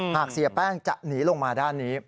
เสียแป้งจะหนีลงมาด้านนี้